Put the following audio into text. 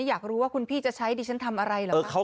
อยากรู้ว่าคุณพี่จะใช้ดิฉันทำอะไรเหรอคะ